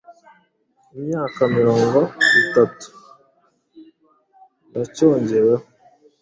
Imyaka mirongo itatu yacyongeweho